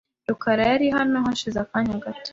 rukara yari hano hashize akanya gato .